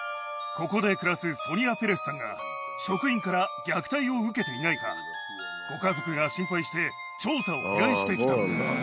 ここで暮らすソニア・ペレスさんが職員から虐待を受けていないか、ご家族が心配して調査を依頼してきたのです。